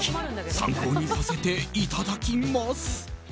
参考にさせていただきます！